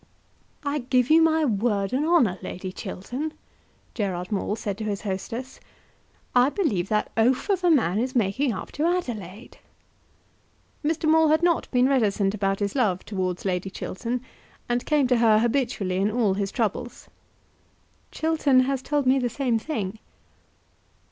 "I give you my word and honour, Lady Chiltern," Gerard Maule said to his hostess, "I believe that oaf of a man is making up to Adelaide." Mr. Maule had not been reticent about his love towards Lady Chiltern, and came to her habitually in all his troubles. "Chiltern has told me the same thing."